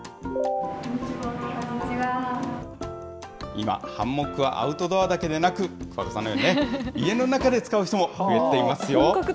今、ハンモックはアウトドアだけでなく、桑子さんのように、家の中で使う人も増えていますよ。